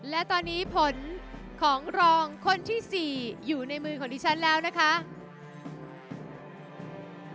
และตอนนี้ผลของรองคนที่๔อยู่ในมือของดิฉันแล้วนะคะ